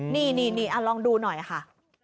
นี่ลองดูหน่อยค่ะ